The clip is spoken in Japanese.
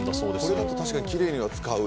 これだと確かにきれいには使う。